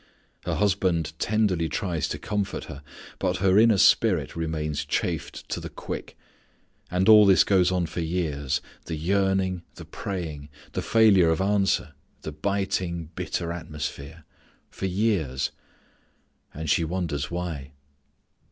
Her husband tenderly tries to comfort her. But her inner spirit remains chafed to the quick. And all this goes on for years; the yearning, the praying, the failure of answer, the biting, bitter atmosphere, for years. And she wonders why.